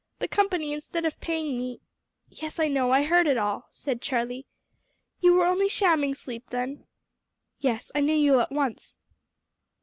The company, instead of paying me " "Yes, I know; I heard it all," said Charlie. "You were only shamming sleep, then?" "Yes; I knew you at once."